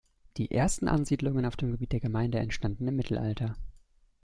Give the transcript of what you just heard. Die ersten Ansiedlungen auf dem Gebiet der Gemeinde entstanden im Mittelalter.